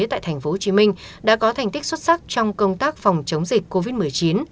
tại tp hcm đã có thành tích xuất sắc trong công tác phòng chống dịch covid một mươi chín